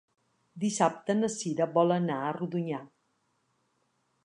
Dissabte na Cira vol anar a Rodonyà.